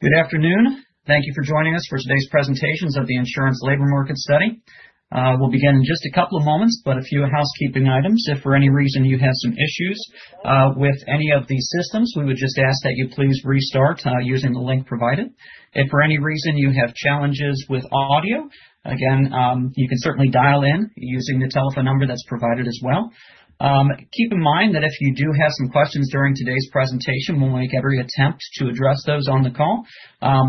Good afternoon. Thank you for joining us for today's presentations of the Insurance Labor Market Study. We'll begin in just a couple of moments, but a few housekeeping items. If for any reason you have some issues with any of these systems, we would just ask that you please restart using the link provided. If for any reason you have challenges with audio, again, you can certainly dial in using the telephone number that's provided as well. Keep in mind that if you do have some questions during today's presentation, we'll make every attempt to address those on the call.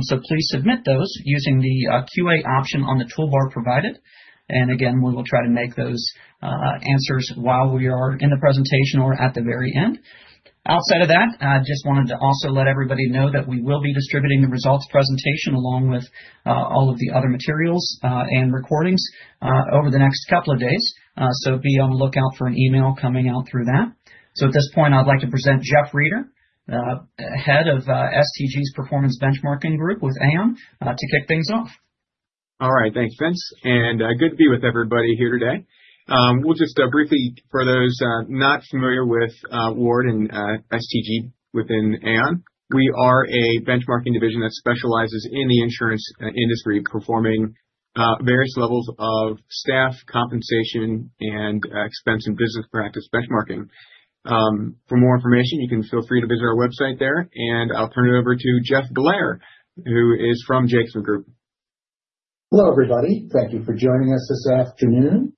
So please submit those using the QA option on the toolbar provided. And again, we will try to make those answers while we are in the presentation or at the very end. Outside of that, I just wanted to also let everybody know that we will be distributing the results presentation along with all of the other materials and recordings over the next couple of days, so be on the lookout for an email coming out through that, so at this point, I'd like to present Jeff Rieder, Head of STG's Performance Benchmarking Group with Aon, to kick things off. All right. Thanks, Vince, and good to be with everybody here today. We'll just briefly, for those not familiar with Ward and STG within Aon, we are a benchmarking division that specializes in the insurance industry, performing various levels of staff, compensation, and expense and business practice benchmarking. For more information, you can feel free to visit our website there, and I'll turn it over to Jeff Blair, who is from Jacobson Group. Hello, everybody. Thank you for joining us this afternoon.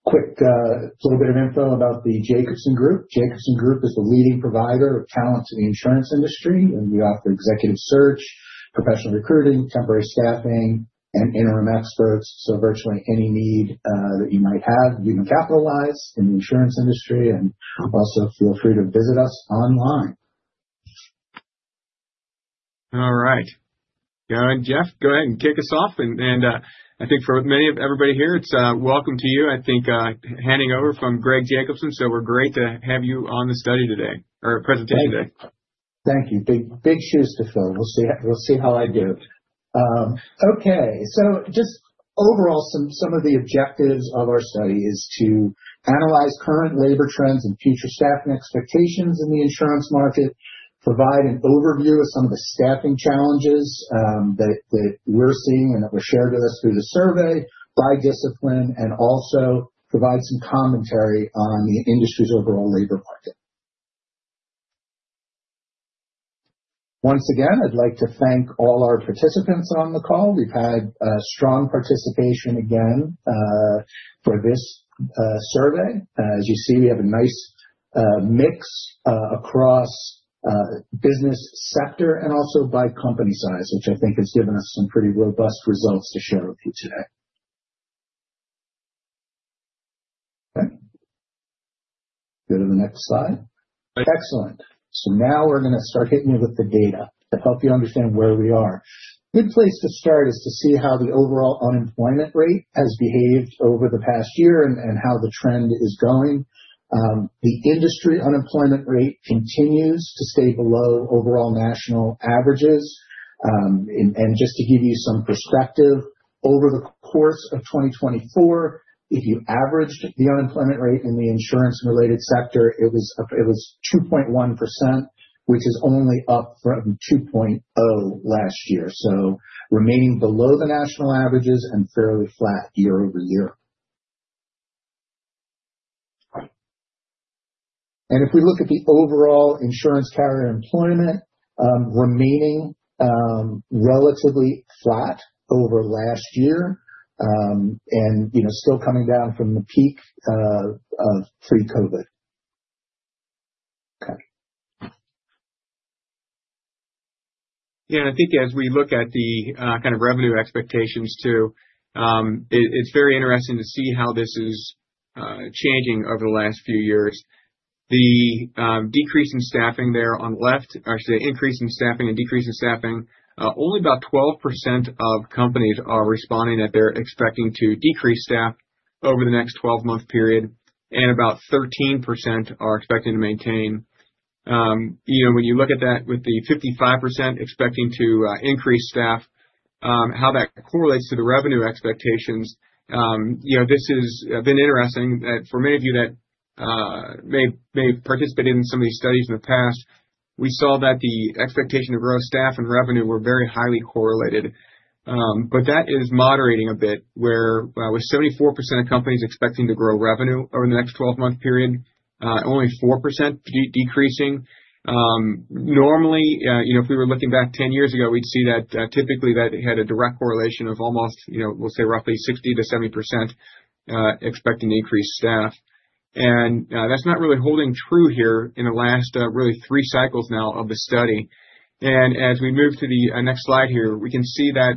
Quick little bit of info about the Jacobson Group. Jacobson Group is the leading provider of talent to the insurance industry. And we offer executive search, professional recruiting, temporary staffing, and interim experts. So virtually any need that you might have, you can capitalize in the insurance industry. And also feel free to visit us online. All right. Go ahead, Jeff. Go ahead and kick us off. And I think for many of everybody here, it's welcome to you. I think handing over from Greg Jacobson. So we're great to have you on the study today or presentation today. Thank you. Big shoes to fill. We'll see how I do. Okay. So just overall, some of the objectives of our study is to analyze current labor trends and future staffing expectations in the insurance market, provide an overview of some of the staffing challenges that we're seeing and that were shared with us through the survey by discipline, and also provide some commentary on the industry's overall labor market. Once again, I'd like to thank all our participants on the call. We've had strong participation again for this survey. As you see, we have a nice mix across business sector and also by company size, which I think has given us some pretty robust results to share with you today. Okay. Go to the next slide. Excellent. So now we're going to start hitting you with the data to help you understand where we are. Good place to start is to see how the overall unemployment rate has behaved over the past year and how the trend is going. The industry unemployment rate continues to stay below overall national averages. And just to give you some perspective, over the course of 2024, if you averaged the unemployment rate in the insurance-related sector, it was 2.1%, which is only up from 2.0% last year. So remaining below the national averages and fairly flat year over year. And if we look at the overall insurance carrier employment, remaining relatively flat over last year and still coming down from the peak of pre-COVID. Okay. Yeah. And I think as we look at the kind of revenue expectations too, it's very interesting to see how this is changing over the last few years. The decrease in staffing there on the left, or the increase in staffing and decrease in staffing, only about 12% of companies are responding that they're expecting to decrease staff over the next 12-month period. And about 13% are expecting to maintain. When you look at that with the 55% expecting to increase staff, how that correlates to the revenue expectations, this has been interesting that for many of you that may have participated in some of these studies in the past, we saw that the expectation to grow staff and revenue were very highly correlated. But that is moderating a bit, where with 74% of companies expecting to grow revenue over the next 12-month period, only 4% decreasing. Normally, if we were looking back 10 years ago, we'd see that typically that had a direct correlation of almost, we'll say, roughly 60%-70% expecting to increase staff, and that's not really holding true here in the last really three cycles now of the study. As we move to the next slide here, we can see how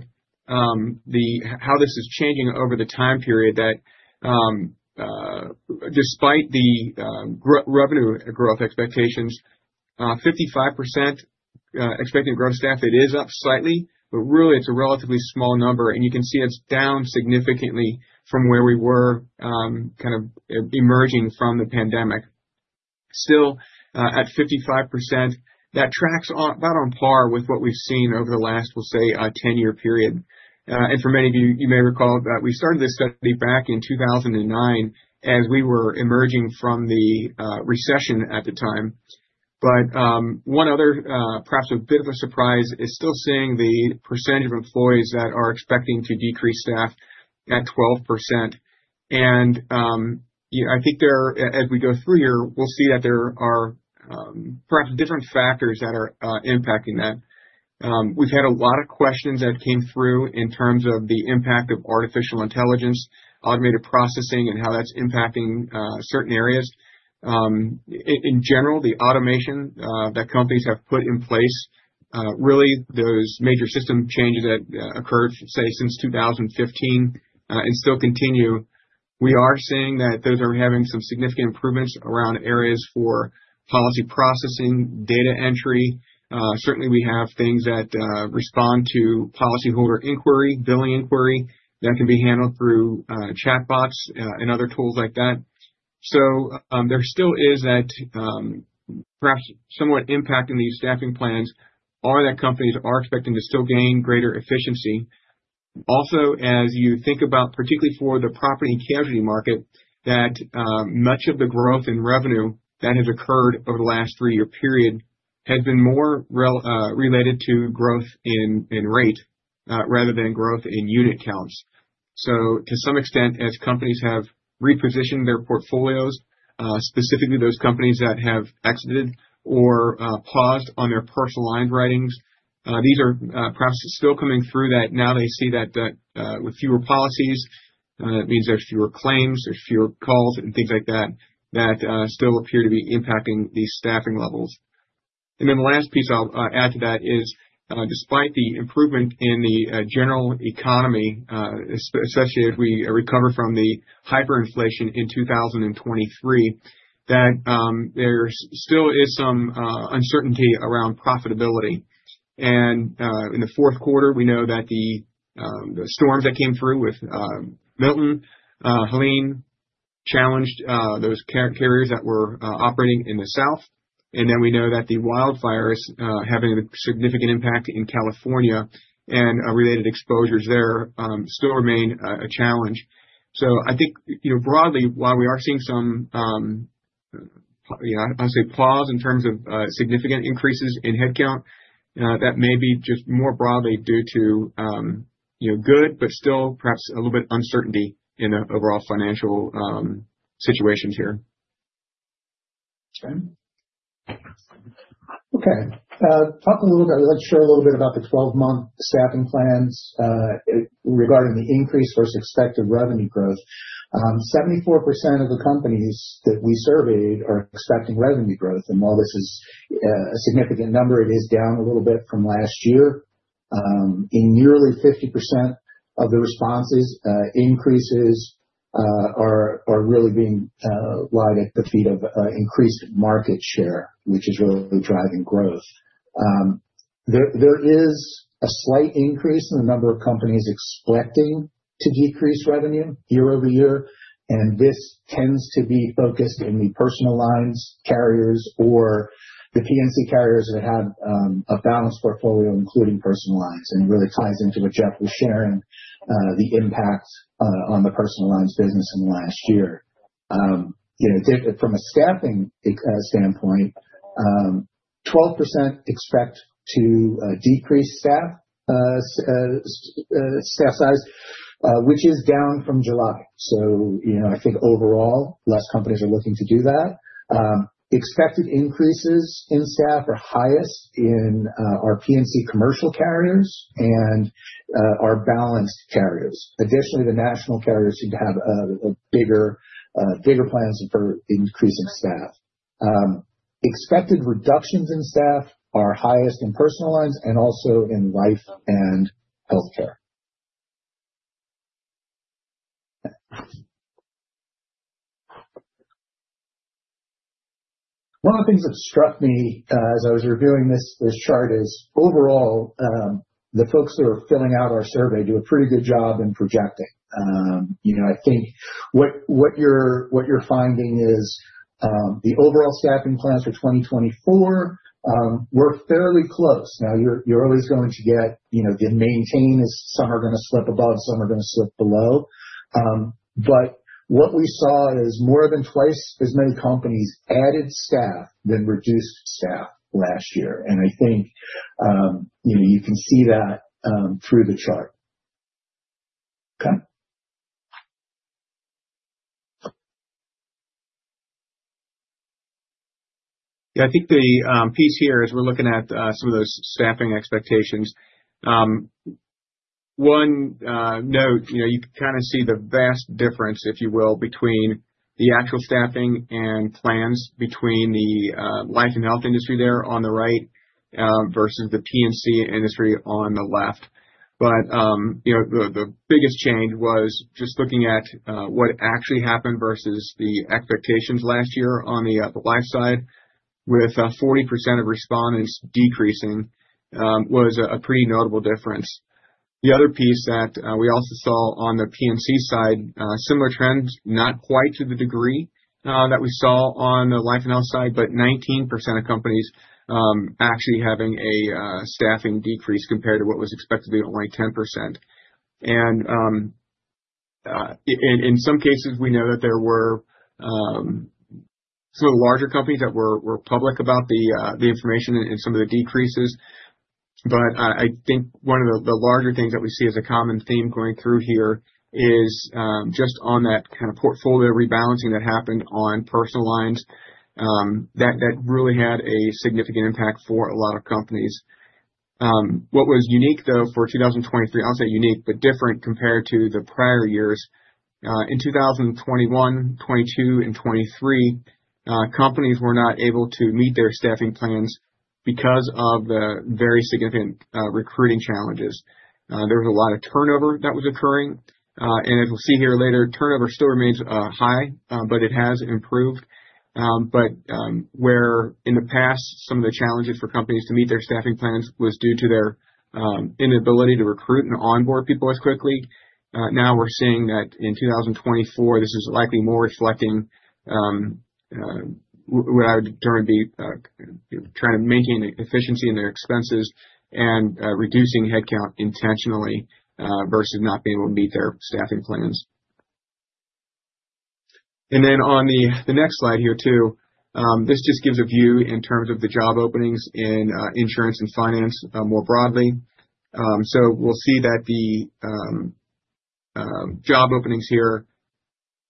this is changing over the time period that despite the revenue growth expectations, 55% expecting to grow staff, it is up slightly, but really it's a relatively small number. You can see it's down significantly from where we were kind of emerging from the pandemic. Still at 55%, that tracks about on par with what we've seen over the last, we'll say, 10-year period. For many of you, you may recall that we started this study back in 2009 as we were emerging from the recession at the time. One other, perhaps a bit of a surprise, is still seeing the percentage of employers that are expecting to decrease staff at 12%. I think as we go through here, we'll see that there are perhaps different factors that are impacting that. We've had a lot of questions that came through in terms of the impact of artificial intelligence, automated processing, and how that's impacting certain areas. In general, the automation that companies have put in place, really those major system changes that occurred, say, since 2015 and still continue, we are seeing that those are having some significant improvements around areas for policy processing, data entry. Certainly, we have things that respond to policyholder inquiry, billing inquiry that can be handled through chatbots and other tools like that. So there still is that perhaps somewhat impacting these staffing plans are that companies are expecting to still gain greater efficiency. Also, as you think about, particularly for the property and casualty market, that much of the growth in revenue that has occurred over the last three-year period has been more related to growth in rate rather than growth in unit counts. So to some extent, as companies have repositioned their portfolios, specifically those companies that have exited or paused on their personal line of writings, these are perhaps still coming through that now they see that with fewer policies, that means there's fewer claims, there's fewer calls, and things like that that still appear to be impacting these staffing levels. And then the last piece I'll add to that is, despite the improvement in the general economy, especially as we recover from the hyperinflation in 2023, that there still is some uncertainty around profitability. And in the Q4, we know that the storms that came through with Milton, Helene challenged those carriers that were operating in the south. And then we know that the wildfires having a significant impact in California and related exposures there still remain a challenge. So I think broadly, while we are seeing some, I'd say, pause in terms of significant increases in headcount, that may be just more broadly due to good, but still perhaps a little bit of uncertainty in the overall financial situation here. We'd like to share a little bit about the 12-month staffing plans regarding the increase versus expected revenue growth. 74% of the companies that we surveyed are expecting revenue growth. And while this is a significant number, it is down a little bit from last year. In nearly 50% of the responses, increases are really being laid at the feet of increased market share, which is really driving growth. There is a slight increase in the number of companies expecting to decrease revenue year over year. And this tends to be focused in the personal lines carriers, or the P&C carriers that have a balanced portfolio, including personal lines. And it really ties into what Jeff was sharing, the impact on the personal lines business in the last year. From a staffing standpoint, 12% expect to decrease staff size, which is down from July. So I think overall, fewer companies are looking to do that. Expected increases in staff are highest in our P&C commercial carriers and our balanced carriers. Additionally, the national carriers seem to have bigger plans for increasing staff. Expected reductions in staff are highest in personal lines and also in life and healthcare. One of the things that struck me as I was reviewing this chart is overall, the folks who are filling out our survey do a pretty good job in projecting. I think what you're finding is the overall staffing plans for 2024 were fairly close. Now, you're always going to get the maintains. Some are going to slip above, some are going to slip below. But what we saw is more than twice as many companies added staff than reduced staff last year. And I think you can see that through the chart. Okay. Yeah. I think the piece here is we're looking at some of those staffing expectations. One note, you can kind of see the vast difference, if you will, between the actual staffing and plans between the life and health industry there on the right versus the P&C industry on the left. But the biggest change was just looking at what actually happened versus the expectations last year on the life side, with 40% of respondents decreasing was a pretty notable difference. The other piece that we also saw on the P&C side, similar trends, not quite to the degree that we saw on the life and health side, but 19% of companies actually having a staffing decrease compared to what was expected to be only 10%. In some cases, we know that there were some of the larger companies that were public about the information and some of the decreases. But I think one of the larger things that we see as a common theme going through here is just on that kind of portfolio rebalancing that happened on personal lines that really had a significant impact for a lot of companies. What was unique, though, for 2023, I'll say unique, but different compared to the prior years. In 2021, 2022, and 2023, companies were not able to meet their staffing plans because of the very significant recruiting challenges. There was a lot of turnover that was occurring. And as we'll see here later, turnover still remains high, but it has improved. But where in the past, some of the challenges for companies to meet their staffing plans was due to their inability to recruit and onboard people as quickly, now we're seeing that in 2024. This is likely more reflecting what I would term be trying to maintain efficiency in their expenses and reducing headcount intentionally versus not being able to meet their staffing plans. And then on the next slide here too, this just gives a view in terms of the job openings in insurance and finance more broadly. So we'll see that the job openings here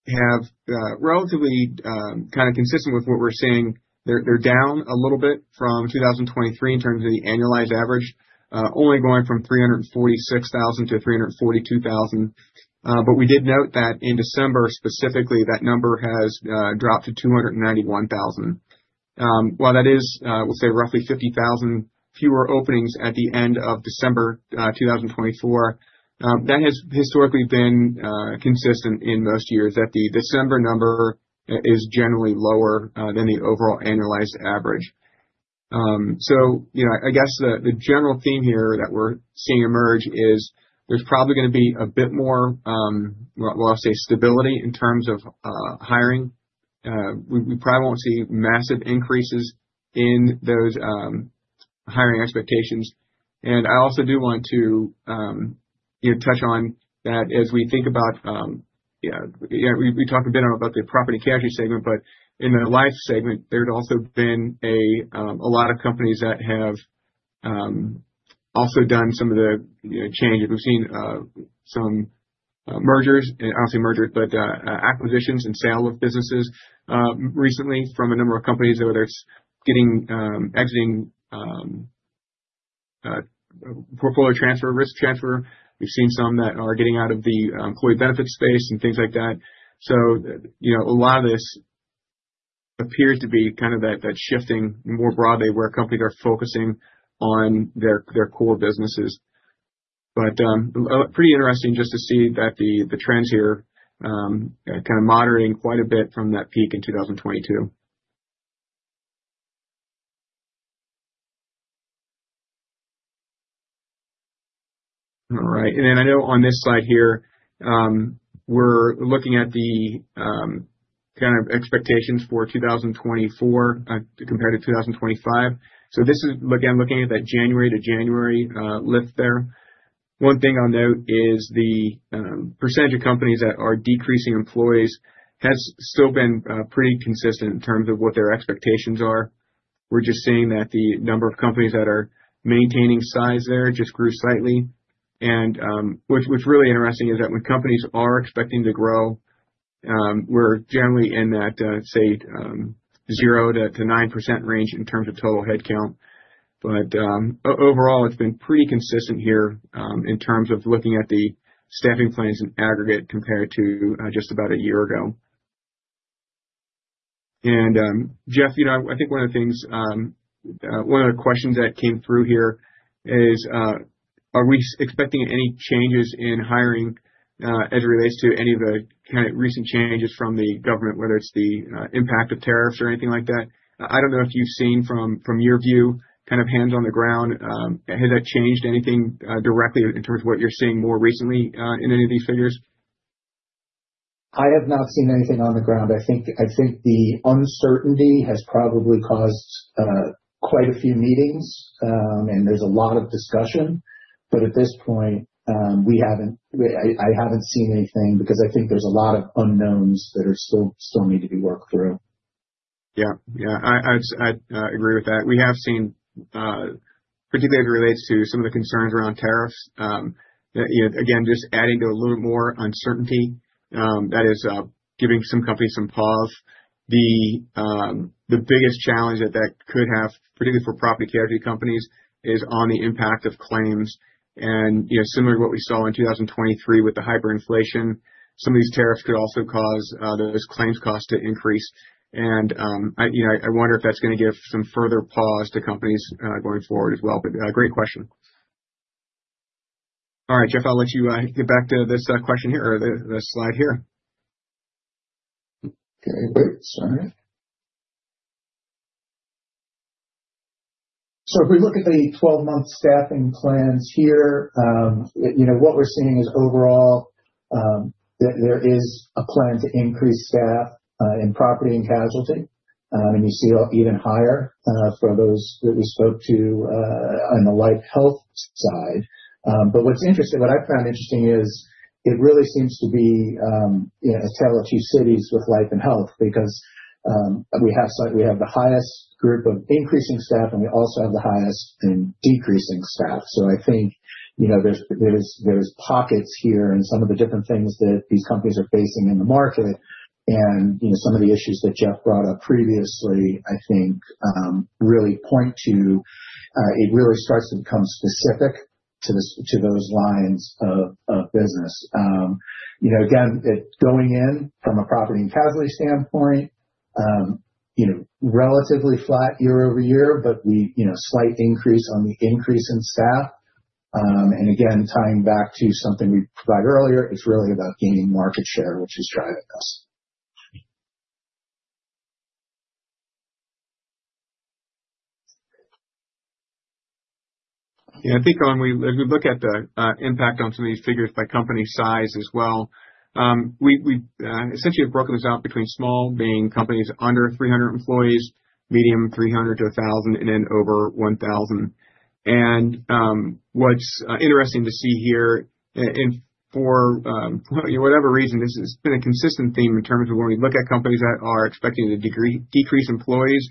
have relatively kind of consistent with what we're seeing. They're down a little bit from 2023 in terms of the annualized average, only going from 346,000 to 342,000. But we did note that in December, specifically, that number has dropped to 291,000. While that is, we'll say, roughly 50,000 fewer openings at the end of December 2024, that has historically been consistent in most years that the December number is generally lower than the overall annualized average. So I guess the general theme here that we're seeing emerge is there's probably going to be a bit more, well, I'll say stability in terms of hiring. We probably won't see massive increases in those hiring expectations. And I also do want to touch on that as we think about, yeah, we talk a bit about the property and casualty segment, but in the life segment, there's also been a lot of companies that have also done some of the changes. We've seen some mergers, and I don't say mergers, but acquisitions and sale of businesses recently from a number of companies that are exiting pension risk transfer. We've seen some that are getting out of the employee benefit space and things like that. So a lot of this appears to be kind of that shifting more broadly where companies are focusing on their core businesses. But pretty interesting just to see that the trends here kind of moderating quite a bit from that peak in 2022. All right. And then I know on this slide here, we're looking at the kind of expectations for 2024 compared to 2025. So this is, again, looking at that January to January lift there. One thing I'll note is the percentage of companies that are decreasing employees has still been pretty consistent in terms of what their expectations are. We're just seeing that the number of companies that are maintaining size there just grew slightly. What's really interesting is that when companies are expecting to grow, we're generally in that, say, 0-9% range in terms of total headcount. Overall, it's been pretty consistent here in terms of looking at the staffing plans in aggregate compared to just about a year ago. And Jeff, I think one of the things, one of the questions that came through here is, are we expecting any changes in hiring as it relates to any of the kind of recent changes from the government, whether it's the impact of tariffs or anything like that? I don't know if you've seen from your view, kind of hands on the ground, has that changed anything directly in terms of what you're seeing more recently in any of these figures? I have not seen anything on the ground. I think the uncertainty has probably caused quite a few meetings, and there's a lot of discussion, but at this point, I haven't seen anything because I think there's a lot of unknowns that still need to be worked through. Yeah. Yeah. I agree with that. We have seen, particularly as it relates to some of the concerns around tariffs, again, just adding to a little more uncertainty that is giving some companies some pause. The biggest challenge that that could have, particularly for property casualty companies, is on the impact of claims. And similar to what we saw in 2023 with the hyperinflation, some of these tariffs could also cause those claims costs to increase. And I wonder if that's going to give some further pause to companies going forward as well. But great question. All right, Jeff, I'll let you get back to this question here or this slide here. Okay. Wait. Sorry. So if we look at the 12-month staffing plans here, what we're seeing is overall that there is a plan to increase staff in property and casualty. And you see even higher for those that we spoke to on the life health side. But what's interesting, what I found interesting is it really seems to be a tale of two cities with life and health because we have the highest group of increasing staff, and we also have the highest in decreasing staff. So I think there's pockets here in some of the different things that these companies are facing in the market. And some of the issues that Jeff brought up previously, I think, really point to it really starts to become specific to those lines of business. Again, going in from a property and casualty standpoint, relatively flat year over year, but slight increase on the increase in staff, and again, tying back to something we provided earlier, it's really about gaining market share, which is driving us. Yeah. I think as we look at the impact on some of these figures by company size as well, we essentially have broken this out between small, being companies under 300 employees, medium 300-1,000, and then over 1,000. And what's interesting to see here, for whatever reason, this has been a consistent theme in terms of when we look at companies that are expecting to decrease employees,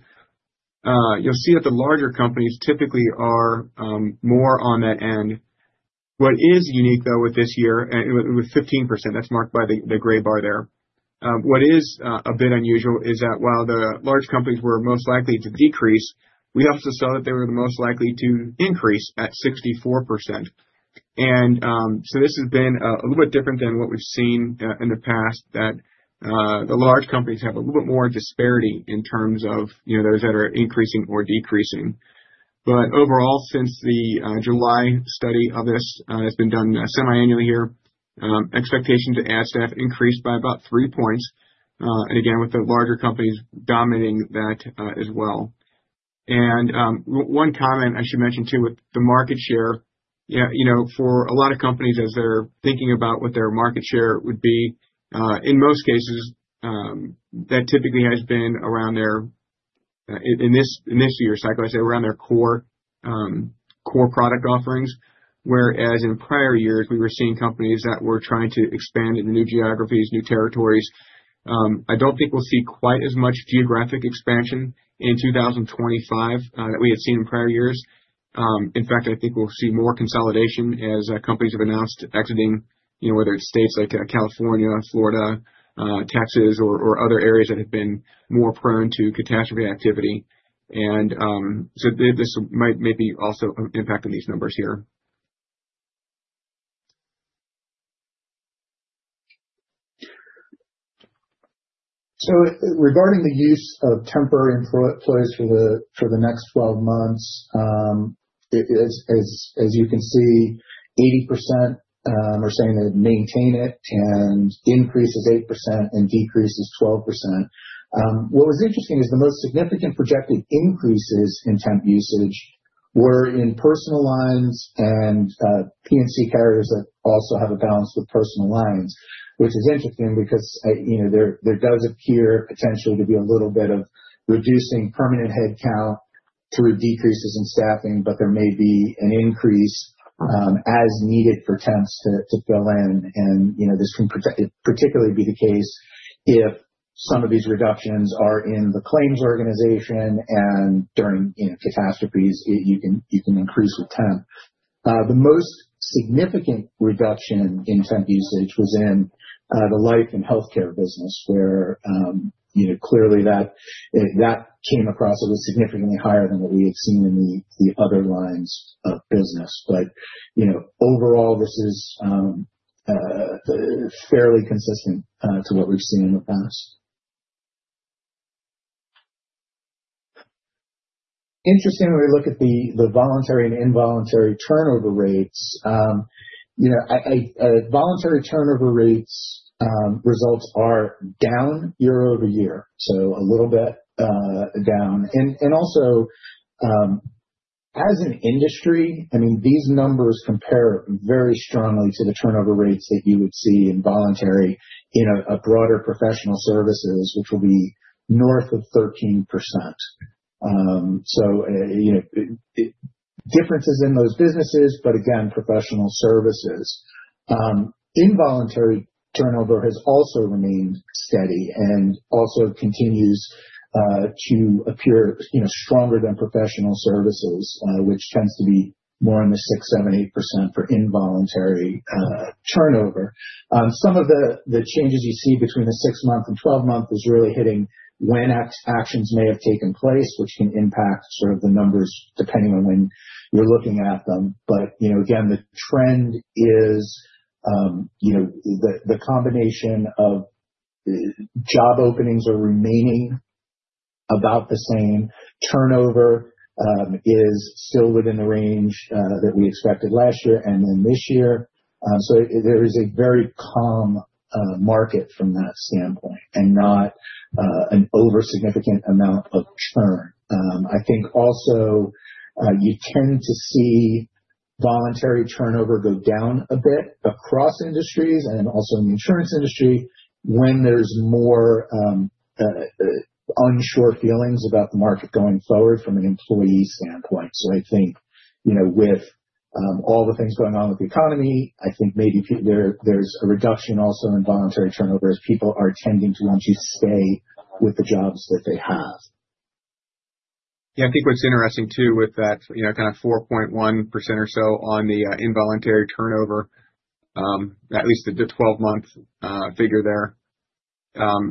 you'll see that the larger companies typically are more on that end. What is unique, though, with this year, with 15%, that's marked by the gray bar there. What is a bit unusual is that while the large companies were most likely to decrease, we also saw that they were the most likely to increase at 64%. And so this has been a little bit different than what we've seen in the past, that the large companies have a little bit more disparity in terms of those that are increasing or decreasing. But overall, since the July study of this has been done semi-annually here, expectations to add staff increased by about three points. And again, with the larger companies dominating that as well. And one comment I should mention too, with the market share, for a lot of companies as they're thinking about what their market share would be, in most cases, that typically has been around their, in this year cycle, I'd say around their core product offerings. Whereas in prior years, we were seeing companies that were trying to expand into new geographies, new territories. I don't think we'll see quite as much geographic expansion in 2025 that we had seen in prior years. In fact, I think we'll see more consolidation as companies have announced exiting, whether it's states like California, Florida, Texas, or other areas that have been more prone to catastrophe activity, and so this may be also impacting these numbers here. So regarding the use of temporary employees for the next 12 months, as you can see, 80% are saying they maintain it and increase is 8% and decrease is 12%. What was interesting is the most significant projected increases in temp usage were in personal lines and PNC carriers that also have a balance with personal lines, which is interesting because there does appear potentially to be a little bit of reducing permanent headcount through decreases in staffing, but there may be an increase as needed for temps to fill in. And this can particularly be the case if some of these reductions are in the claims organization and during catastrophes, you can increase with temp. The most significant reduction in temp usage was in the life and healthcare business, where clearly that came across as significantly higher than what we had seen in the other lines of business. But overall, this is fairly consistent to what we've seen in the past. Interestingly, when we look at the voluntary and involuntary turnover rates, voluntary turnover rates results are down year over year. So a little bit down. And also, as an industry, I mean, these numbers compare very strongly to the turnover rates that you would see in voluntary in a broader professional services, which will be north of 13%. So differences in those businesses, but again, professional services. Involuntary turnover has also remained steady and also continues to appear stronger than professional services, which tends to be more in the 6%, 7%, 8% for involuntary turnover. Some of the changes you see between the 6-month and 12-month is really hitting when actions may have taken place, which can impact sort of the numbers depending on when you're looking at them. But again, the trend is the combination of job openings are remaining about the same. Turnover is still within the range that we expected last year and then this year. So there is a very calm market from that standpoint and not an over-significant amount of churn. I think also you tend to see voluntary turnover go down a bit across industries and also in the insurance industry when there's more unsure feelings about the market going forward from an employee standpoint. So I think with all the things going on with the economy, I think maybe there's a reduction also in voluntary turnover as people are tending to want to stay with the jobs that they have. Yeah. I think what's interesting too with that kind of 4.1% or so on the involuntary turnover, at least the 12-month figure there.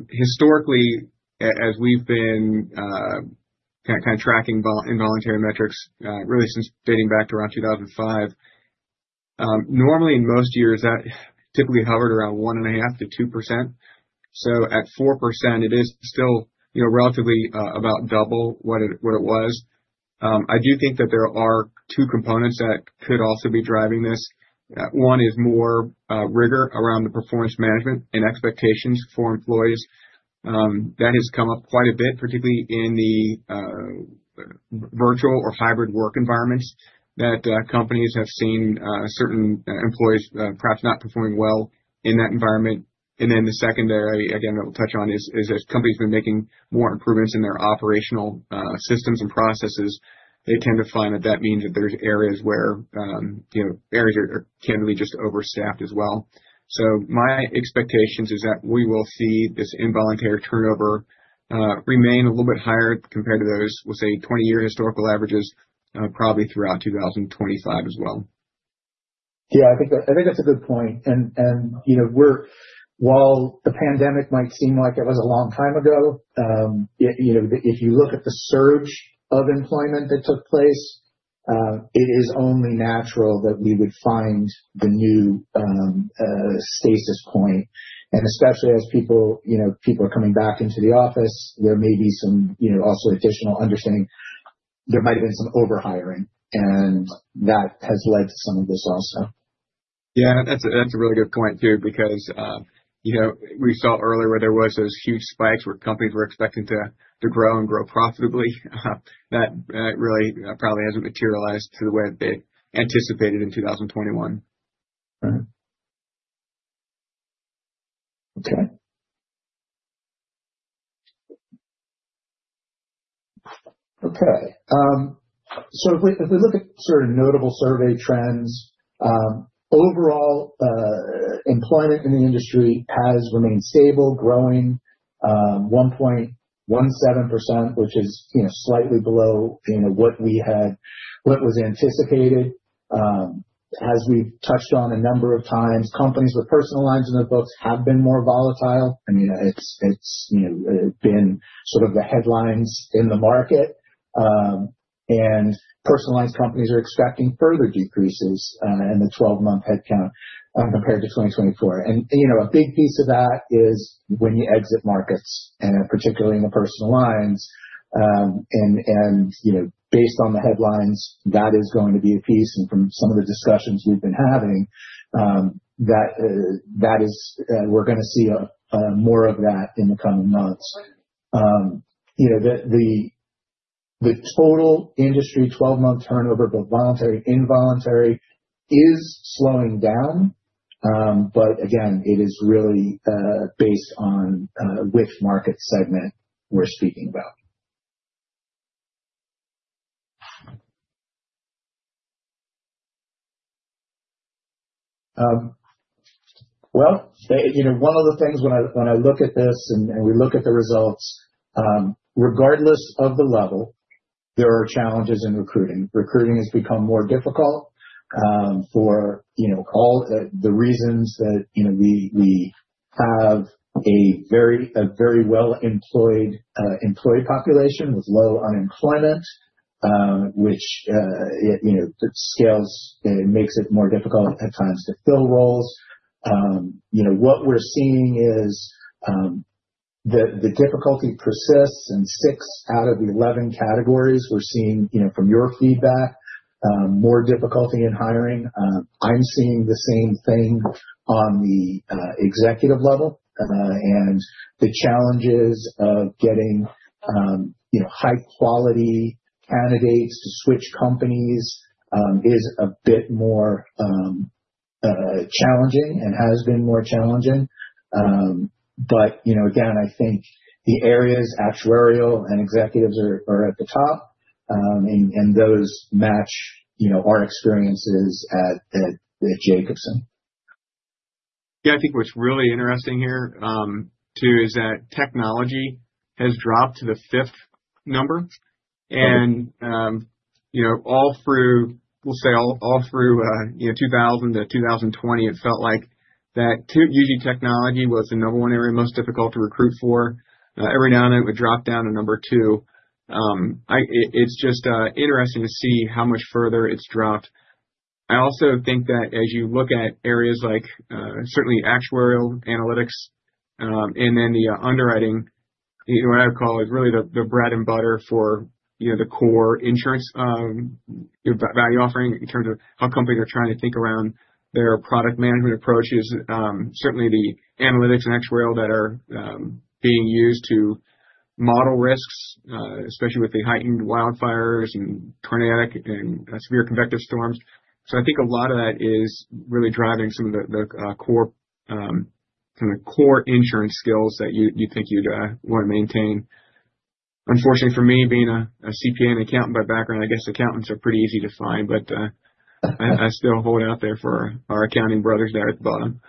Historically, as we've been kind of tracking involuntary metrics really since dating back to around 2005, normally in most years, that typically hovered around 1.5%-2%. So at 4%, it is still relatively about double what it was. I do think that there are two components that could also be driving this. One is more rigor around the performance management and expectations for employees. That has come up quite a bit, particularly in the virtual or hybrid work environments that companies have seen certain employees perhaps not performing well in that environment. And then the secondary, again, that we'll touch on is as companies have been making more improvements in their operational systems and processes, they tend to find that means that there's areas where are candidly just overstaffed as well. So my expectations is that we will see this involuntary turnover remain a little bit higher compared to those, we'll say, 20-year historical averages probably throughout 2025 as well. Yeah. I think that's a good point, and while the pandemic might seem like it was a long time ago, if you look at the surge of employment that took place, it is only natural that we would find the new stasis point, and especially as people are coming back into the office, there may be some also additional understanding. There might have been some overhiring, and that has led to some of this also. Yeah. That's a really good point too because we saw earlier where there were those huge spikes where companies were expecting to grow and grow profitably. That really probably hasn't materialized to the way that they anticipated in 2021. Okay. Okay. So if we look at sort of notable survey trends, overall employment in the industry has remained stable, growing 1.17%, which is slightly below what we had, what was anticipated. As we've touched on a number of times, companies with personal lines in their books have been more volatile. I mean, it's been sort of the headlines in the market. And personal lines companies are expecting further decreases in the 12-month headcount compared to 2024. And a big piece of that is when you exit markets, and particularly in the personal lines. And based on the headlines, that is going to be a piece. And from some of the discussions we've been having, that is we're going to see more of that in the coming months. The total industry 12-month turnover, both voluntary and involuntary, is slowing down. But again, it is really based on which market segment we're speaking about. Well, one of the things when I look at this and we look at the results, regardless of the level, there are challenges in recruiting. Recruiting has become more difficult for all the reasons that we have a very well-employed employee population with low unemployment, which scales and makes it more difficult at times to fill roles. What we're seeing is the difficulty persists. And six out of 11 categories, we're seeing from your feedback, more difficulty in hiring. I'm seeing the same thing on the executive level. And the challenges of getting high-quality candidates to switch companies is a bit more challenging and has been more challenging. But again, I think the areas actuarial and executives are at the top, and those match our experiences at Jacobson. Yeah. I think what's really interesting here too is that technology has dropped to the fifth number, and we'll say all through 2000 to 2020, it felt like that usually technology was the number one area most difficult to recruit for. Every now and then, it would drop down to number two. It's just interesting to see how much further it's dropped. I also think that as you look at areas like certainly actuarial analytics and then the underwriting, what I would call is really the bread and butter for the core insurance value offering in terms of how companies are trying to think around their product management approach is certainly the analytics and actuarial that are being used to model risks, especially with the heightened wildfires and tornadic and severe convective storms. So I think a lot of that is really driving some of the core insurance skills that you think you'd want to maintain. Unfortunately, for me, being a CPA and accountant by background, I guess accountants are pretty easy to find, but I still hold out there for our accounting brothers there at the bottom.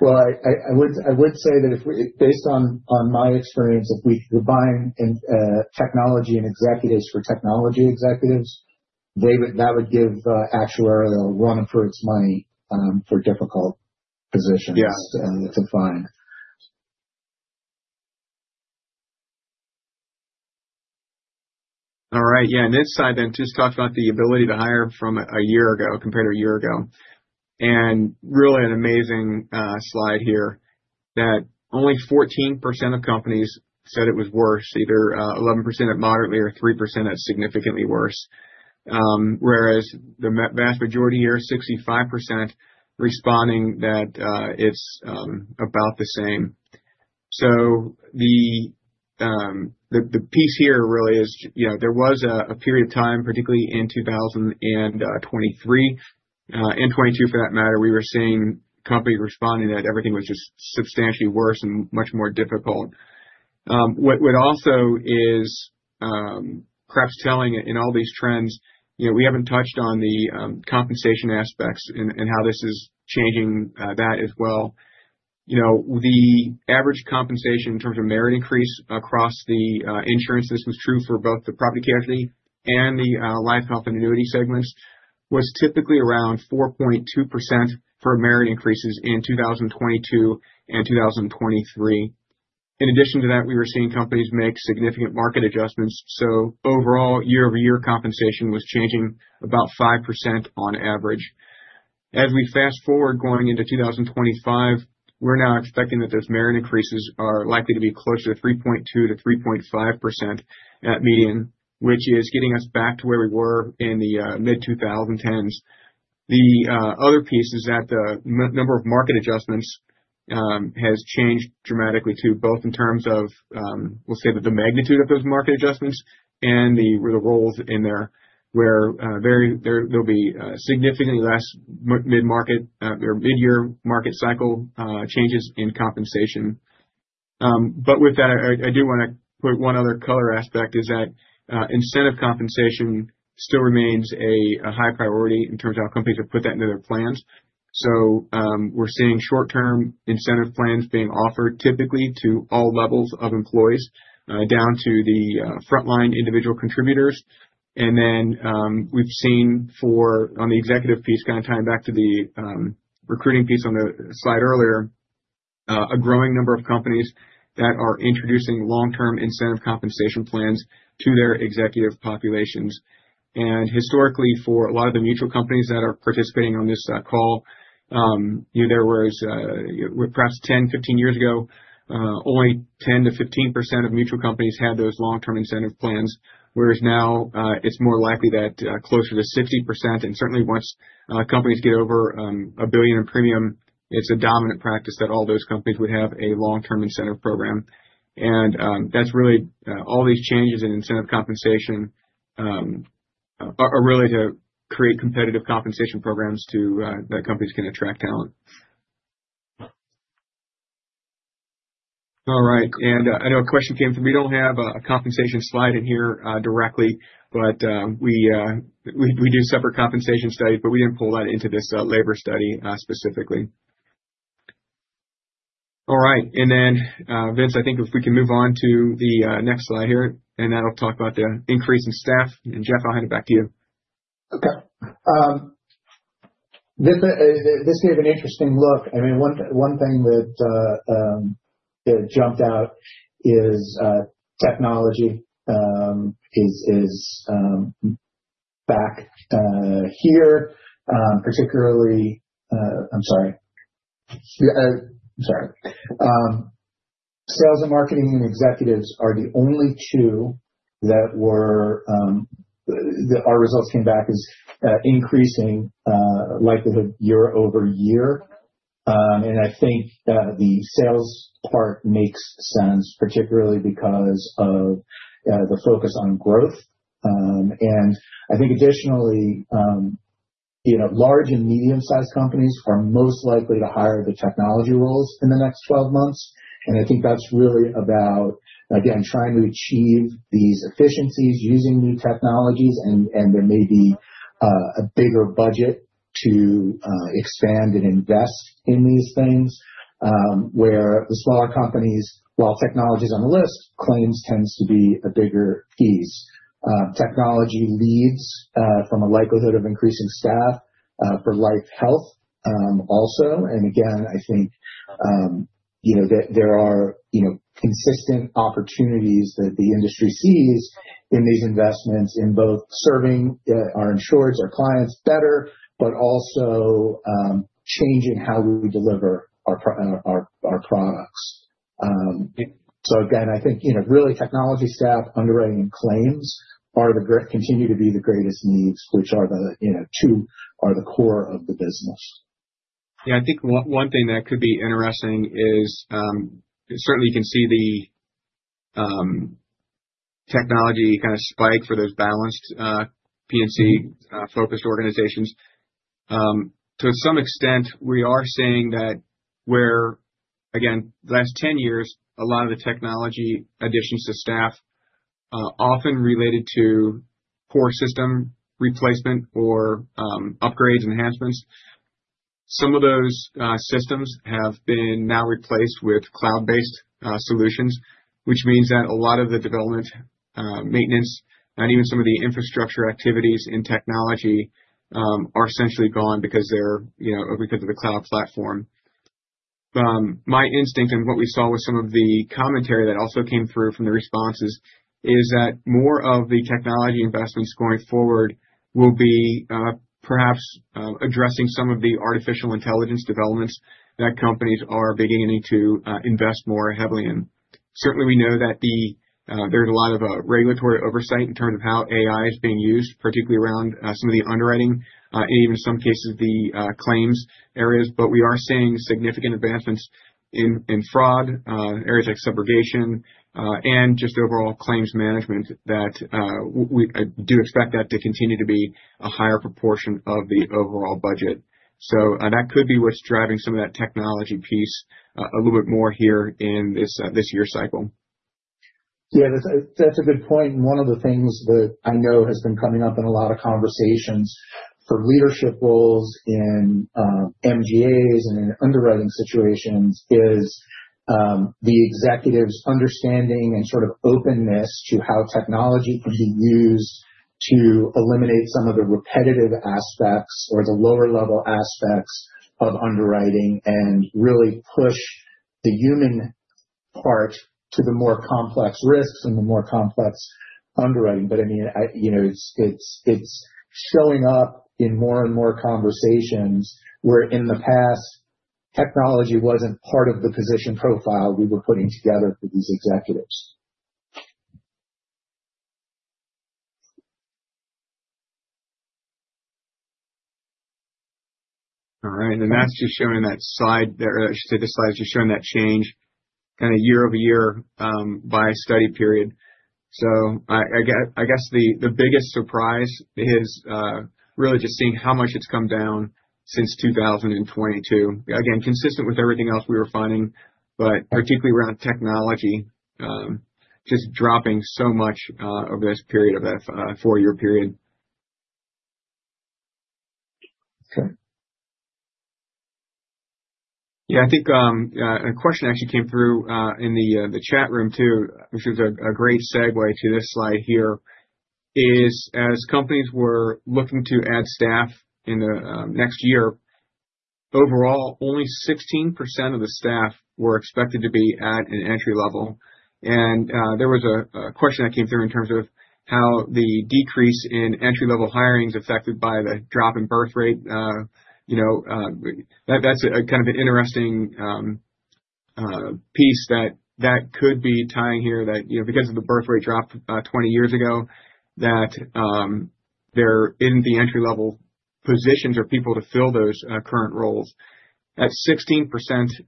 Well, I would say that based on my experience, if we combine technology and executives for technology executives, that would give actuarial run-throughs money for difficult positions to find. All right. Yeah. And this slide then just talks about the ability to hire from a year ago compared to a year ago. And really an amazing slide here that only 14% of companies said it was worse, either 11% at moderately or 3% at significantly worse. Whereas the vast majority here, 65% responding that it's about the same. So the piece here really is there was a period of time, particularly in 2023 and 2022 for that matter, we were seeing companies responding that everything was just substantially worse and much more difficult. What also is perhaps telling in all these trends, we haven't touched on the compensation aspects and how this is changing that as well. The average compensation in terms of merit increase across the insurance, this was true for both the property casualty and the life, health, and annuity segments, was typically around 4.2% for merit increases in 2022 and 2023. In addition to that, we were seeing companies make significant market adjustments. So overall, year-over-year compensation was changing about 5% on average. As we fast forward going into 2025, we're now expecting that those merit increases are likely to be closer to 3.2%-3.5% at median, which is getting us back to where we were in the mid-2010s. The other piece is that the number of market adjustments has changed dramatically too, both in terms of, we'll say, the magnitude of those market adjustments and the roles in there, where there'll be significantly less mid-year market cycle changes in compensation. But with that, I do want to put one other color aspect is that incentive compensation still remains a high priority in terms of how companies have put that into their plans. So we're seeing short-term incentive plans being offered typically to all levels of employees down to the frontline individual contributors. And then we've seen for on the executive piece, kind of tying back to the recruiting piece on the slide earlier, a growing number of companies that are introducing long-term incentive compensation plans to their executive populations. And historically, for a lot of the mutual companies that are participating on this call, there was perhaps 10, 15 years ago, only 10%-15% of mutual companies had those long-term incentive plans. Whereas now, it's more likely that closer to 60%. Certainly, once companies get over a billion in premium, it's a dominant practice that all those companies would have a long-term incentive program. That's really all these changes in incentive compensation are really to create competitive compensation programs that companies can attract talent. All right. I know a question came through. We don't have a compensation slide in here directly, but we do separate compensation studies, but we didn't pull that into this labor study specifically. All right. Then, Vince, I think if we can move on to the next slide here, and that'll talk about the increase in staff. Jeff, I'll hand it back to you. Okay. This gave an interesting look. I mean, one thing that jumped out is technology is back here, particularly. I'm sorry. Sales and marketing and executives are the only two that were our results came back as increasing likelihood year over year. And I think the sales part makes sense, particularly because of the focus on growth. And I think additionally, large and medium-sized companies are most likely to hire the technology roles in the next 12 months. And I think that's really about, again, trying to achieve these efficiencies using new technologies. And there may be a bigger budget to expand and invest in these things where the smaller companies, while technology is on the list, claims tends to be a bigger piece. Technology leads from a likelihood of increasing staff for life, health also. And again, I think that there are consistent opportunities that the industry sees in these investments in both serving our insureds, our clients better, but also changing how we deliver our products. So again, I think really technology, staff, underwriting, and claims continue to be the greatest needs, which are the two are the core of the business. Yeah. I think one thing that could be interesting is certainly you can see the technology kind of spike for those balanced P&C-focused organizations. To some extent, we are seeing that where, again, the last 10 years, a lot of the technology additions to staff often related to core system replacement or upgrades, enhancements. Some of those systems have been now replaced with cloud-based solutions, which means that a lot of the development, maintenance, and even some of the infrastructure activities in technology are essentially gone because of the cloud platform. My instinct and what we saw with some of the commentary that also came through from the responses is that more of the technology investments going forward will be perhaps addressing some of the artificial intelligence developments that companies are beginning to invest more heavily in. Certainly, we know that there's a lot of regulatory oversight in terms of how AI is being used, particularly around some of the underwriting and even in some cases, the claims areas. But we are seeing significant advancements in fraud, areas like subrogation, and just overall claims management that I do expect that to continue to be a higher proportion of the overall budget. So that could be what's driving some of that technology piece a little bit more here in this year cycle. Yeah. That's a good point. And one of the things that I know has been coming up in a lot of conversations for leadership roles in MGAs and in underwriting situations is the executives' understanding and sort of openness to how technology can be used to eliminate some of the repetitive aspects or the lower-level aspects of underwriting and really push the human part to the more complex risks and the more complex underwriting. But I mean, it's showing up in more and more conversations where in the past, technology wasn't part of the position profile we were putting together for these executives. All right. And that's just showing that slide there. I should say this slide is just showing that change kind of year over year by study period. So I guess the biggest surprise is really just seeing how much it's come down since 2022. Again, consistent with everything else we were finding, but particularly around technology just dropping so much over this period of a four-year period. Yeah. I think a question actually came through in the chat room too, which was a great segue to this slide here, is as companies were looking to add staff in the next year, overall, only 16% of the staff were expected to be at an entry level, and there was a question that came through in terms of how the decrease in entry-level hirings affected by the drop in birth rate. That's kind of an interesting piece that could be tying here that because of the birth rate drop 20 years ago, that there isn't the entry-level positions or people to fill those current roles. At 16%,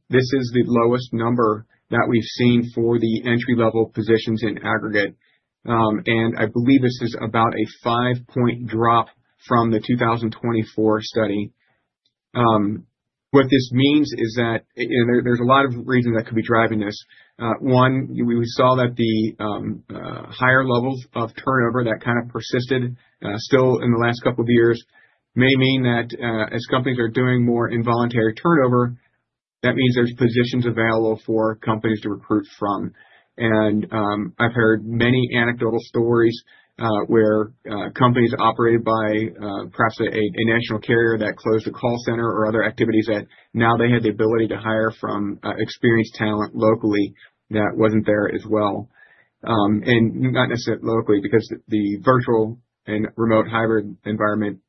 this is the lowest number that we've seen for the entry-level positions in aggregate, and I believe this is about a five-point drop from the 2024 study. What this means is that there's a lot of reasons that could be driving this. One, we saw that the higher levels of turnover that kind of persisted still in the last couple of years may mean that as companies are doing more involuntary turnover, that means there's positions available for companies to recruit from. And I've heard many anecdotal stories where companies operated by perhaps a national carrier that closed a call center or other activities that now they had the ability to hire from experienced talent locally that wasn't there as well. And not necessarily locally because the virtual and remote hybrid environment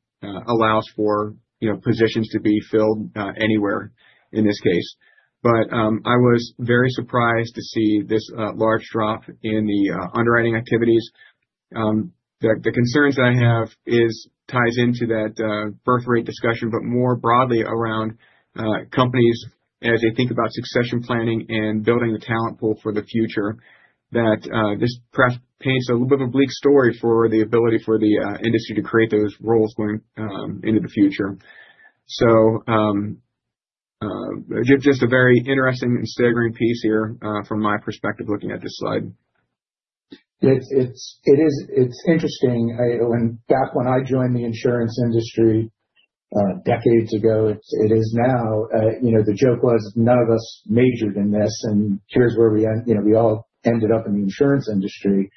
allows for positions to be filled anywhere in this case. But I was very surprised to see this large drop in the underwriting activities. The concerns that I have tie into that birth rate discussion, but more broadly around companies as they think about succession planning and building the talent pool for the future that this perhaps paints a little bit of a bleak story for the ability for the industry to create those roles going into the future. So just a very interesting and staggering piece here from my perspective looking at this slide. It's interesting. Back when I joined the insurance industry decades ago, the joke was none of us majored in this, and here's where we all ended up in the insurance industry,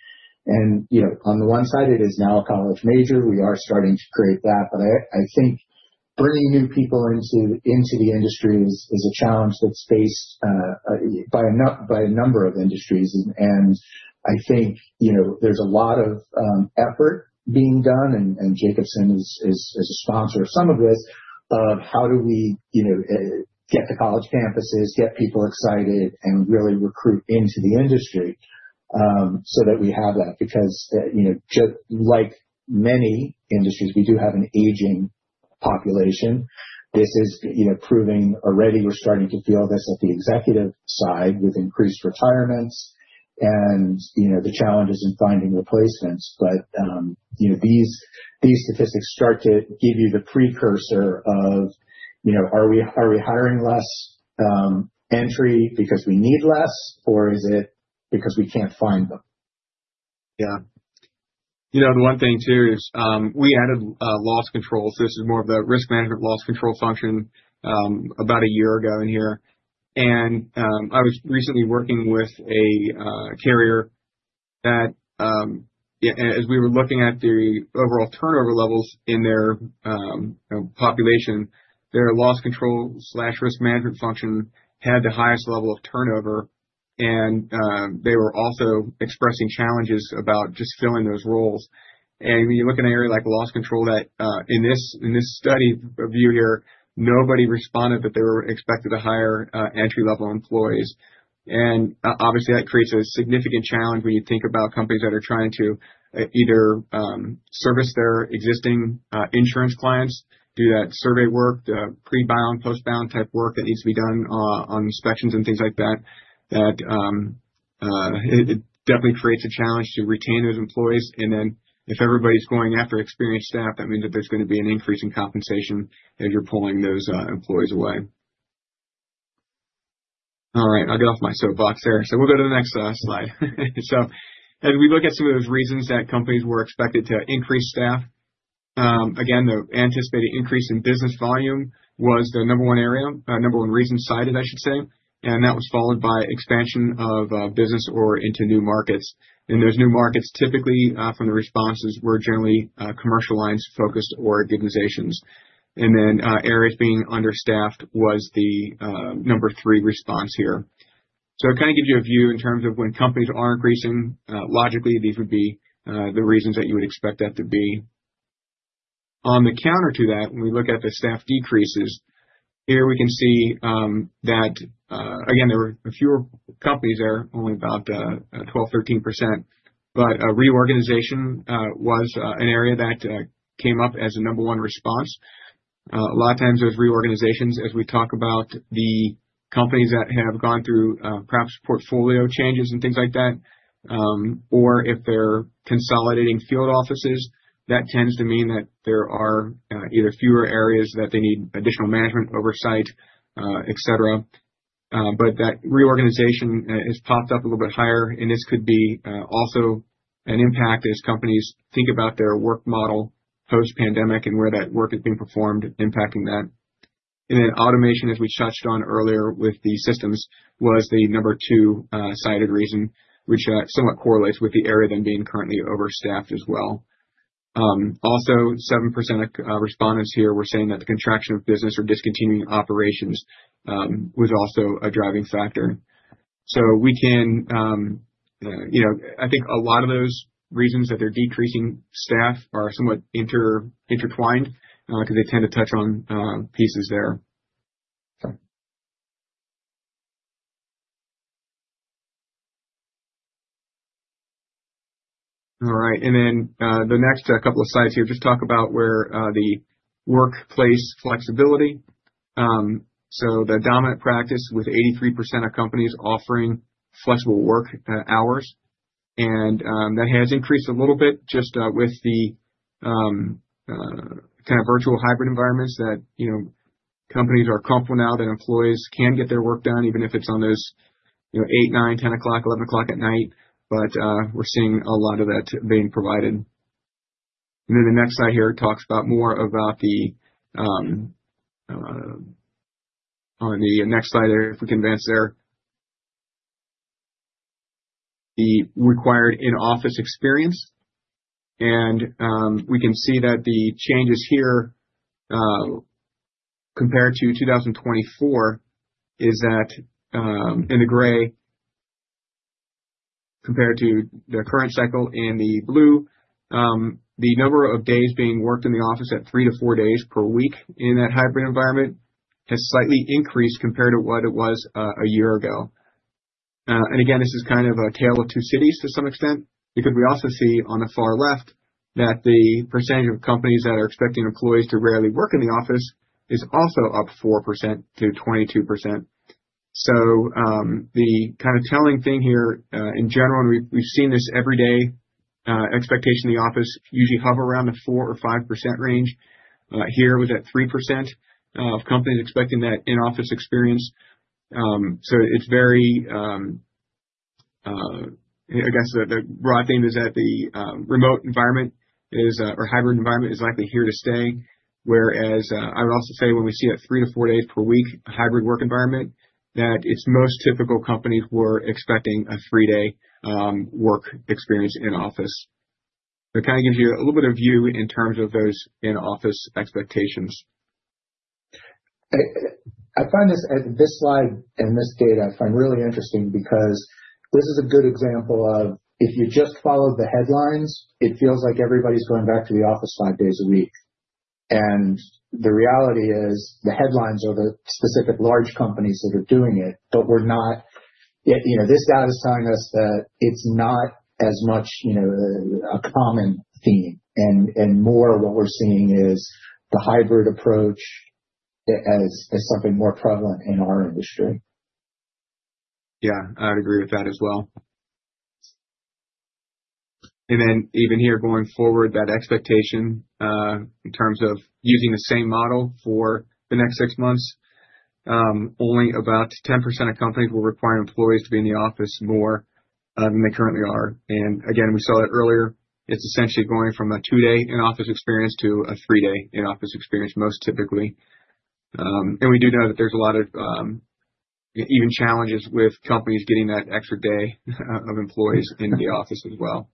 and on the one side, it is now a college major. We are starting to create that, but I think bringing new people into the industry is a challenge that's faced by a number of industries, and I think there's a lot of effort being done, and Jacobson is a sponsor of some of this, of how do we get to college campuses, get people excited, and really recruit into the industry so that we have that? Because just like many industries, we do have an aging population. This is proving already. We're starting to feel this at the executive side with increased retirements and the challenges in finding replacements. But these statistics start to give you the precursor of, are we hiring less entry because we need less, or is it because we can't find them? Yeah. The one thing too is we added loss control. So this is more of the risk management loss control function about a year ago in here. And I was recently working with a carrier that, as we were looking at the overall turnover levels in their population, their loss control/risk management function had the highest level of turnover. And they were also expressing challenges about just filling those roles. And when you look at an area like loss control that in this study view here, nobody responded that they were expected to hire entry-level employees. And obviously, that creates a significant challenge when you think about companies that are trying to either service their existing insurance clients, do that survey work, the pre-bind, post-bind type work that needs to be done on inspections and things like that, that it definitely creates a challenge to retain those employees. And then if everybody's going after experienced staff, that means that there's going to be an increase in compensation as you're pulling those employees away. All right. I'll get off my soapbox there. So we'll go to the next slide. So as we look at some of those reasons that companies were expected to increase staff, again, the anticipated increase in business volume was the number one area, number one reason cited, I should say. And that was followed by expansion of business or into new markets. And those new markets typically from the responses were generally commercial lines focused or organizations. And then areas being understaffed was the number three response here. So it kind of gives you a view in terms of when companies are increasing, logically, these would be the reasons that you would expect that to be. On the counter to that, when we look at the staff decreases, here we can see that, again, there were fewer companies there, only about 12%-13%. But reorganization was an area that came up as a number one response. A lot of times those reorganizations, as we talk about the companies that have gone through perhaps portfolio changes and things like that, or if they're consolidating field offices, that tends to mean that there are either fewer areas that they need additional management, oversight, etc. But that reorganization has popped up a little bit higher. And this could be also an impact as companies think about their work model post-pandemic and where that work is being performed, impacting that. And then automation, as we touched on earlier with the systems, was the number two cited reason, which somewhat correlates with the area then being currently overstaffed as well. Also, 7% of respondents here were saying that the contraction of business or discontinuing operations was also a driving factor. So we can, I think a lot of those reasons that they're decreasing staff are somewhat intertwined because they tend to touch on pieces there. All right. And then the next couple of slides here just talk about where the workplace flexibility. So the dominant practice with 83% of companies offering flexible work hours. And that has increased a little bit just with the kind of virtual hybrid environments that companies are comfortable now that employees can get their work done even if it's on those 8:00 P.M., 9:00 P.M., 10:00 P.M., 11:00 P.M. But we're seeing a lot of that being provided. And then the next slide here talks about more about the next slide there if we can advance there, the required in-office experience. We can see that the changes here compared to 2024 is that in the gray compared to the current cycle in the blue, the number of days being worked in the office at three to four days per week in that hybrid environment has slightly increased compared to what it was a year ago. Again, this is kind of a tale of two cities to some extent because we also see on the far left that the percentage of companies that are expecting employees to rarely work in the office is also up 4% to 22%. The kind of telling thing here in general, and we've seen this every day, expectation in the office usually hovers around the 4% or 5% range. Here was at 3% of companies expecting that in-office experience. So it's very, I guess the broad theme is that the remote environment or hybrid environment is likely here to stay. Whereas I would also say when we see a three to four days per week hybrid work environment, that it's most typical. Companies were expecting a three-day work experience in office. It kind of gives you a little bit of view in terms of those in-office expectations. I find this slide and this data really interesting because this is a good example of if you just follow the headlines, it feels like everybody's going back to the office five days a week. And the reality is the headlines are the specific large companies that are doing it, but we're not. This data is telling us that it's not as much a common theme. And more of what we're seeing is the hybrid approach as something more prevalent in our industry. Yeah. I would agree with that as well. And then even here going forward, that expectation in terms of using the same model for the next six months, only about 10% of companies will require employees to be in the office more than they currently are. And again, we saw it earlier. It's essentially going from a two-day in-office experience to a three-day in-office experience most typically. And we do know that there's a lot of even challenges with companies getting that extra day of employees into the office as well.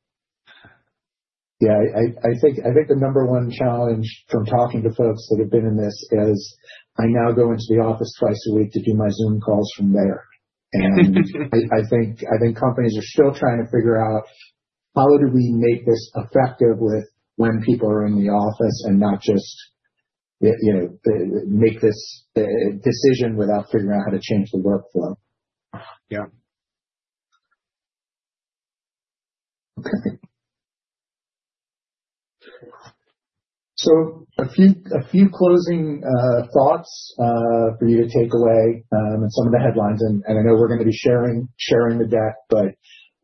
Yeah. I think the number one challenge from talking to folks that have been in this is I now go into the office twice a week to do my Zoom calls from there. And I think companies are still trying to figure out how do we make this effective when people are in the office and not just make this decision without figuring out how to change the workflow. Yeah. Okay. So a few closing thoughts for you to take away and some of the headlines. And I know we're going to be sharing the deck, but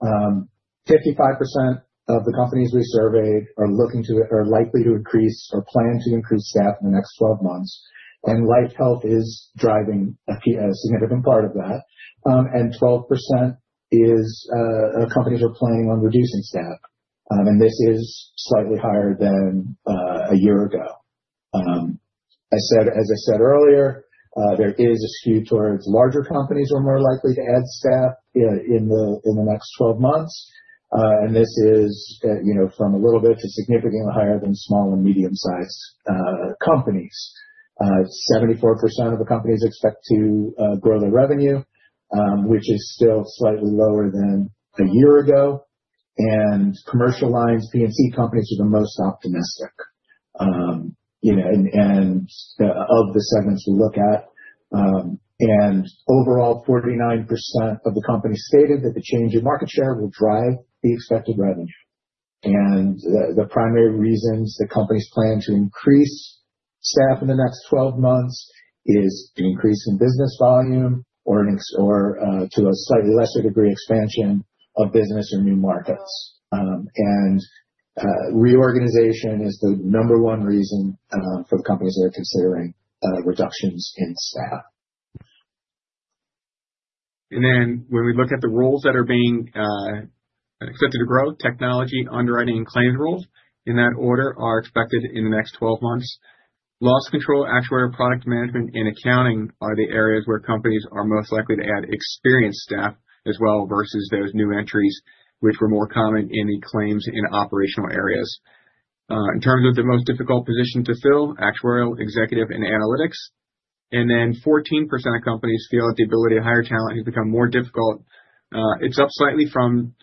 55% of the companies we surveyed are looking to or likely to increase or plan to increase staff in the next 12 months. And life health is driving a significant part of that. And 12% is companies are planning on reducing staff. And this is slightly higher than a year ago. As I said earlier, there is a skew towards larger companies who are more likely to add staff in the next 12 months. And this is from a little bit to significantly higher than small and medium-sized companies. 74% of the companies expect to grow their revenue, which is still slightly lower than a year ago. And commercial lines, P&C companies are the most optimistic of the segments we look at. Overall, 49% of the companies stated that the change in market share will drive the expected revenue. The primary reasons that companies plan to increase staff in the next 12 months is an increase in business volume or to a slightly lesser degree expansion of business or new markets. Reorganization is the number one reason for companies that are considering reductions in staff. And then when we look at the roles that are being expected to grow, technology, underwriting, and claims roles in that order are expected in the next 12 months. Loss control, actuarial product management, and accounting are the areas where companies are most likely to add experienced staff as well versus those new entries, which were more common in the claims and operational areas. In terms of the most difficult position to fill, actuarial, executive, and analytics. And then 14% of companies feel that the ability to hire talent has become more difficult. It's up slightly from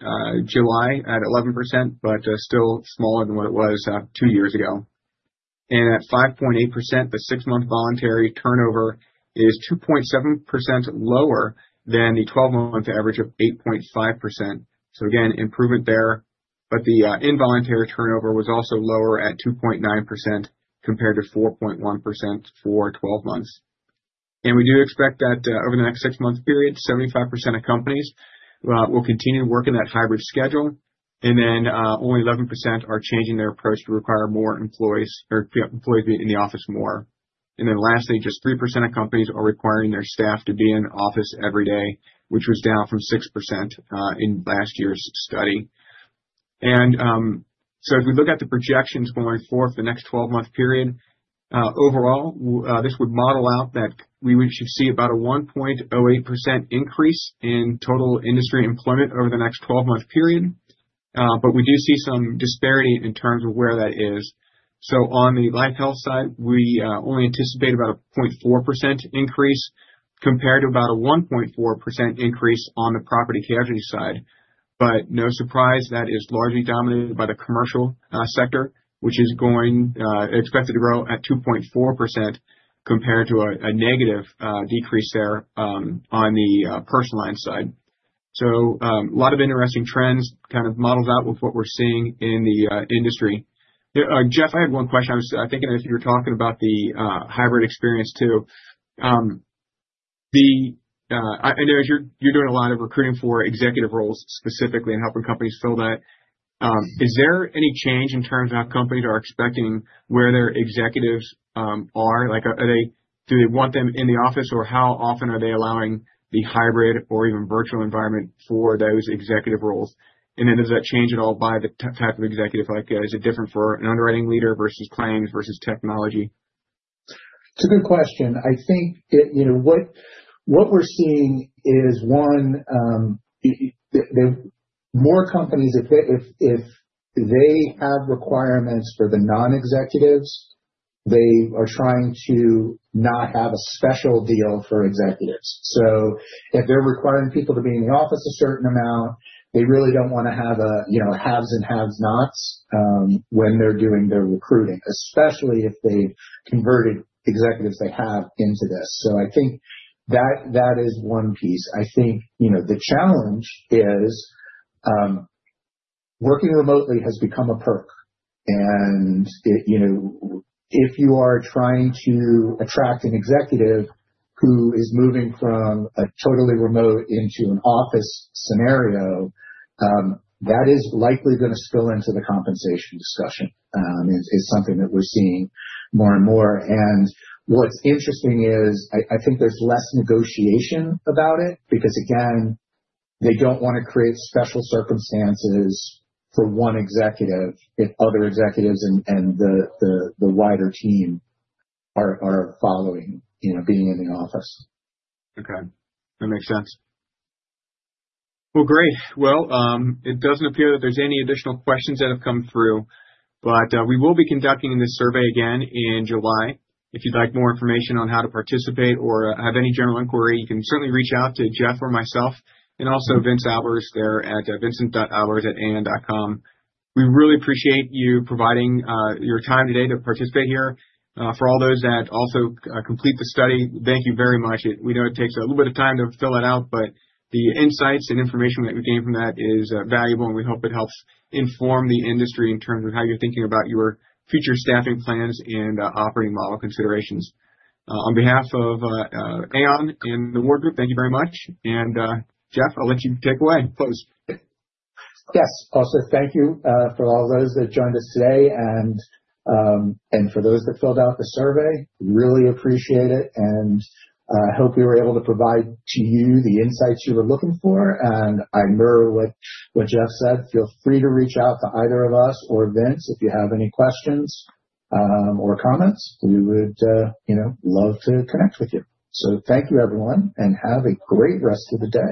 July at 11%, but still smaller than what it was two years ago. And at 5.8%, the six-month voluntary turnover is 2.7% lower than the 12-month average of 8.5%. So again, improvement there. But the involuntary turnover was also lower at 2.9% compared to 4.1% for 12 months. And we do expect that over the next six-month period, 75% of companies will continue to work in that hybrid schedule. And then only 11% are changing their approach to require more employees in the office more. And then lastly, just 3% of companies are requiring their staff to be in office every day, which was down from 6% in last year's study. And so if we look at the projections going forth the next 12-month period, overall, this would model out that we should see about a 1.08% increase in total industry employment over the next 12-month period. But we do see some disparity in terms of where that is. So on the life health side, we only anticipate about a 0.4% increase compared to about a 1.4% increase on the property casualty side. But no surprise, that is largely dominated by the commercial lines, which is expected to grow at 2.4% compared to a negative decrease there on the personal lines side. So a lot of interesting trends kind of modeled out with what we're seeing in the industry. Jeff, I had one question. I was thinking if you were talking about the hybrid experience too. I know you're doing a lot of recruiting for executive roles specifically and helping companies fill that. Is there any change in terms of how companies are expecting where their executives are? Do they want them in the office, or how often are they allowing the hybrid or even virtual environment for those executive roles? And then does that change at all by the type of executive? Is it different for an underwriting leader versus claims versus technology? It's a good question. I think what we're seeing is, one, more companies, if they have requirements for the non-executives, they are trying to not have a special deal for executives. So if they're requiring people to be in the office a certain amount, they really don't want to have haves and have-nots when they're doing their recruiting, especially if they've converted executives they have into this. So I think that is one piece. I think the challenge is working remotely has become a perk. And if you are trying to attract an executive who is moving from a totally remote into an office scenario, that is likely going to spill into the compensation discussion, is something that we're seeing more and more. What's interesting is I think there's less negotiation about it because, again, they don't want to create special circumstances for one executive if other executives and the wider team are following being in the office. Okay. That makes sense. Well, great. Well, it doesn't appear that there's any additional questions that have come through. But we will be conducting this survey again in July. If you'd like more information on how to participate or have any general inquiry, you can certainly reach out to Jeff or myself and also Vincent Albers there at Vincent.Albers@aon.com. We really appreciate you providing your time today to participate here. For all those that also complete the study, thank you very much. We know it takes a little bit of time to fill it out, but the insights and information that we gained from that is valuable, and we hope it helps inform the industry in terms of how you're thinking about your future staffing plans and operating model considerations. On behalf of Aon and the Ward Group, thank you very much. And Jeff, I'll let you take away. Close. Yes. Also, thank you for all those that joined us today. And for those that filled out the survey, really appreciate it. And I hope we were able to provide to you the insights you were looking for. And I mirror what Jeff said. Feel free to reach out to either of us or Vince if you have any questions or comments. We would love to connect with you. So thank you, everyone, and have a great rest of the day.